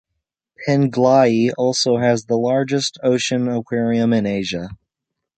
Penglai also has the largest ocean aquarium in Asia.